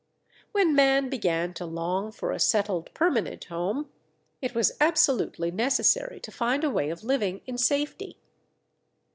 When man began to long for a settled permanent home, it was absolutely necessary to find a way of living in safety.